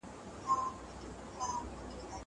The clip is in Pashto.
خلګ له ستونزو سره مخ دي.